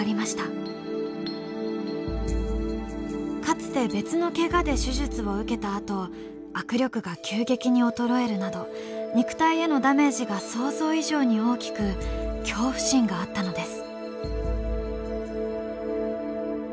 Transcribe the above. かつて別のケガで手術を受けたあと握力が急激に衰えるなど肉体へのダメージが想像以上に大きく恐怖心があったのです。